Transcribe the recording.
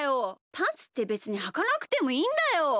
パンツってべつにはかなくてもいいんだよ！